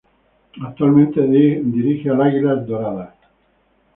Actualmente dirige al Águilas Doradas.